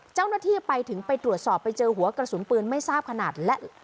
เจ้าหน้าที่ไปถึงไปตรวจสอบไปเจอหัวกระสุนปืนไม่ทราบขนาดและ